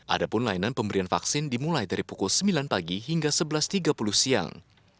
ada pun layanan pemberian vaksin dimulai dari pukul sembilan pagi hingga sebelas tiga puluh siang